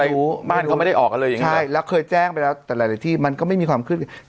บ้านเขาไม่ได้ออกกันเลยอย่างนี้ใช่แล้วเคยแจ้งไปแล้วแต่หลายที่มันก็ไม่มีความขึ้น